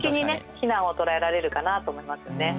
避難を捉えられるかなと思いますよね。